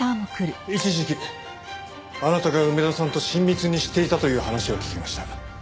一時期あなたが梅田さんと親密にしていたという話を聞きました。